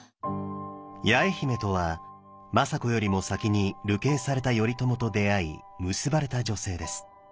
八重姫とは政子よりも先に流刑された頼朝と出会い結ばれた女性です。